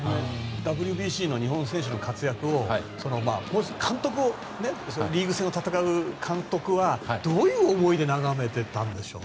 ＷＢＣの日本選手の活躍を監督をリーグ戦を戦う監督はどういう思いで眺めてたんでしょう。